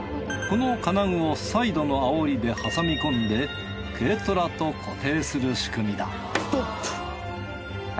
この金具をサイドのあおりで挟み込んで軽トラと固定する仕組みだストップ。